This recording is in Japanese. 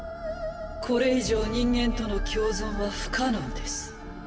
これ以上人間との共存は不可能です。